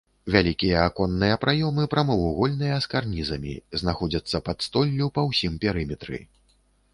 Вялікія аконныя праёмы прамавугольныя з карнізамі, знаходзяцца пад столлю па ўсім перыметры.